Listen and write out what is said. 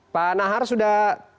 pak nahar sudah